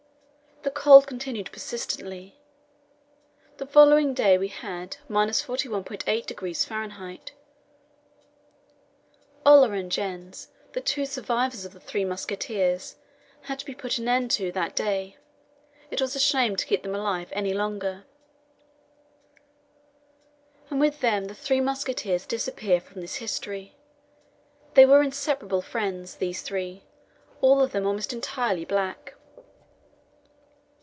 The cold continued persistently. The following day we had 41.8° F. Ola and Jens, the two survivors of the "Three Musketeers," had to be put an end to that day; it was a shame to keep them alive any longer. And with them the "Three Musketeers" disappear from this history. They were inseparable friends, these three; all of them almost entirely black.